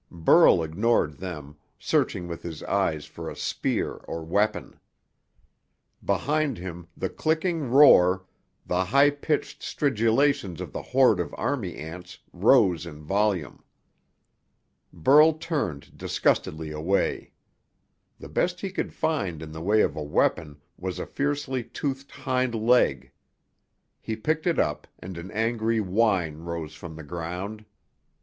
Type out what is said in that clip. Burl ignored them, searching with his eyes for a spear or weapon. Behind him the clicking roar, the high pitched stridulations of the horde of army ants, rose in volume. Burl turned disgustedly away. The best he could find in the way of a weapon was a fiercely toothed hind leg. He picked it up, and an angry whine rose from the ground.